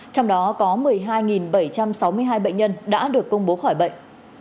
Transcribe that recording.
trong đó có một mươi hai bảy trăm sáu mươi hai bệnh nhân đã được công bố khỏi bệnh